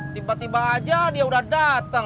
tiba tiba aja dia udah datang